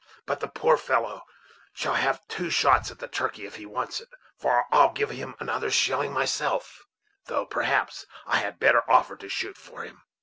But the poor fellow shall have two shots at the turkey, if he wants it, for I'll give him another shilling myself; though, perhaps, I had better offer to shoot for him.